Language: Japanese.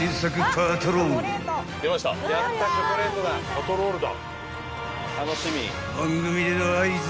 パトロールだ。